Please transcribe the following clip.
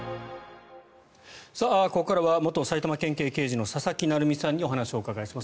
ここからは元埼玉県警刑事の佐々木成三さんにお話をお伺いします。